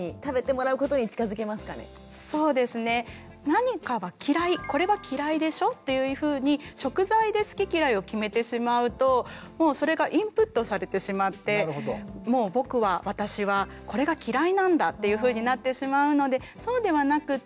何かは嫌いこれは嫌いでしょっていうふうに食材で好き嫌いを決めてしまうともうそれがインプットされてしまってもう僕は私はこれが嫌いなんだっていうふうになってしまうのでそうではなくっ